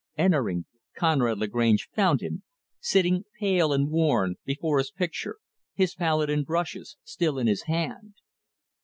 Entering, Conrad Lagrange found him; sitting, pale and worn, before his picture his palette and brushes still in his hand.